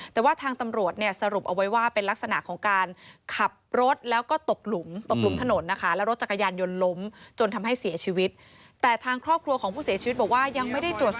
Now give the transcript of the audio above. แต่ว่าทางตำรวจเนี่ยสรุปเอาไว้ว่าเป็นลักษณะของการขับรถแล้วก็ตกหลุมตกหลุมถนนนะคะ